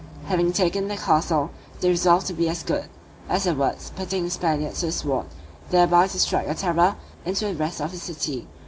Having taken the castle, they resolved to be as good as their words, putting the Spaniards to the sword, thereby to strike a terror into the rest of the city.